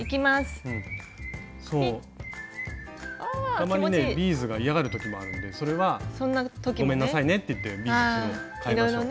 たまにねビーズが嫌がる時もあるんでそれはごめんなさいねって言ってビーズかえましょう。